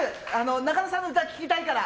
中野さんの歌、聴きたいから。